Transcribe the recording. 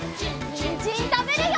にんじんたべるよ！